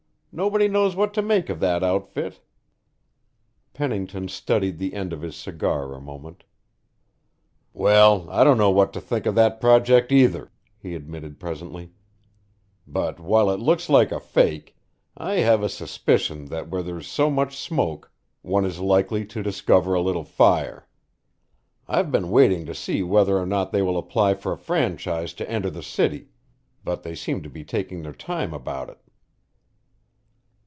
Nobody knows what to make of that outfit." Pennington studied the end of his cigar a moment. "Well, I don't know what to think of that project either," he admitted presently, "But while it looks like a fake, I have a suspicion that where there's so much smoke, one is likely to discover a little fire. I've been waiting to see whether or not they will apply for a franchise to enter the city, but they seem to be taking their time about it."